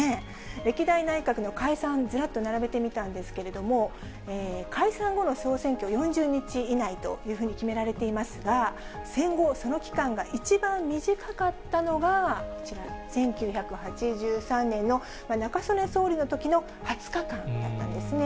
歴代内閣の解散、ずらっと並べてみたんですけれども、解散後の総選挙４０日以内というふうに決められていますが、戦後、その期間が一番短かったのが、こちら、１９８３年の中曽根総理のときの２０日間なんですね。